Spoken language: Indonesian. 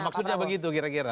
maksudnya begitu kira kira